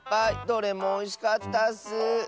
どれもおいしかったッス。